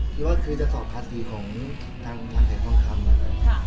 คิดว่าคือจะศอกภาษีของทางแถมคล่องคำอะไร